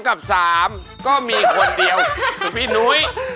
๒กับ๓ก็มีคนเดียวปีนุ้ย